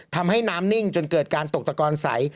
ทำให้น้ำนิ่งจนเกิดการตกตะกอนใส